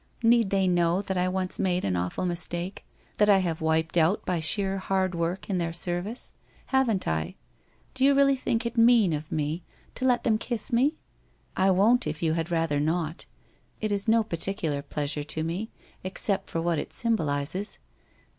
Need they know that I once made an awful mistake, that I have wiped out by sheer hard work in their service. Haven't I? Do you really think it mean of me to let them kiss me? I won't, if you had rather not. It is no particular pleasure to me, except for what it symbolizes.